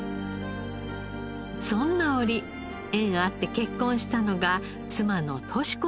そんな折縁あって結婚したのが妻の登志子さん。